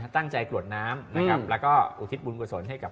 ตั้งใจกรวดน้ำแล้วก็อุทิศบุญประสงค์ให้กับ